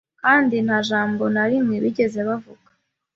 kandi nta jambo na rimwe bigeze bavuga”